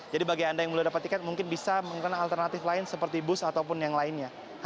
jadi bagi anda yang belum dapat tiket mungkin bisa menggunakan alternatif lain seperti bus ataupun yang lainnya